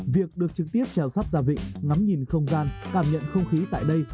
việc được trực tiếp treo sắt ra vịnh ngắm nhìn không gian cảm nhận không khí tại đây